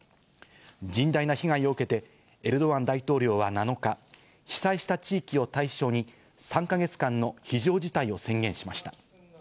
甚大な被害を受けてエルドアン大統領は７日、被災した地域を対象に、３か月間の非常事態を宣言しました。